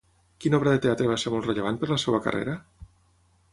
Quina obra de teatre va ser molt rellevant per la seva carrera?